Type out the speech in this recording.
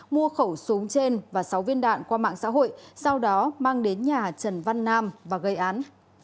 mua khẩu súng trên và sáu viên đạn qua mạng xã hội sau đó mang đến nhà trần văn nam và gây án